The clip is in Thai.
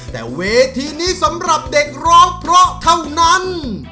แต่เวทีนี้สำหรับเด็กร้องเพราะเท่านั้น